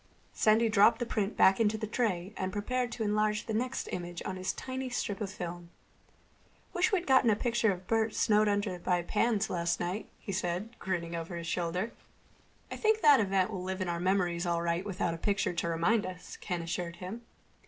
Sandy dropped the print back into the tray and prepared to enlarge the next image on his tiny strip of film. "Wish we'd gotten a picture of Bert snowed under by pans last night," he said, grinning over his shoulder. "I think that event will live in our memories all right without a picture to remind us," Ken assured him.